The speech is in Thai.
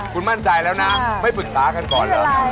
คุณมั่นใจแล้วนะไม่ปรึกษากันก่อนเหรอ